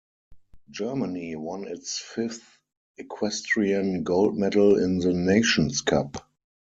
Germany won its fifth equestrian gold medal in the Nations Cup.